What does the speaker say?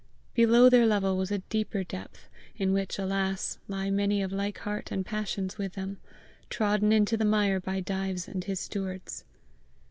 Below their level was a deeper depth, in which, alas, lie many of like heart and, passions with them, trodden into the mire by Dives and his stewards!